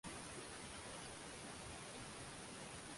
aa kwa hivyo ndio huo uzalendo ambao tunauzungumzia hapa na siku ya leo